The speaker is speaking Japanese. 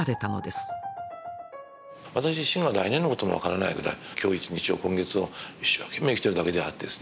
私自身は来年のことも分からないぐらい今日一日を今月を一生懸命生きてるだけであってですね